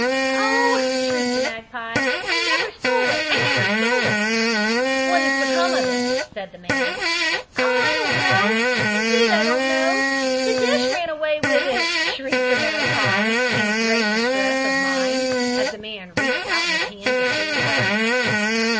"Oh!" shrieked the magpie; "I never stole it! I never stole it!" "What has become of it?" said the man. "Oh, I don't know indeed I don't know! The dish ran away with it!" shrieked the magpie, in great distress of mind, as the man reached out his hand to seize her.